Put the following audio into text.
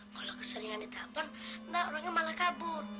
pasti datang kok